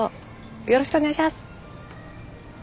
よろしくお願いします。